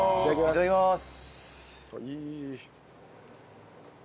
いただきます。